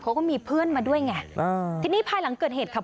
เขาก็มีเพื่อนมาด้วยไงอ่าทีนี้ภายหลังเกิดเหตุขับ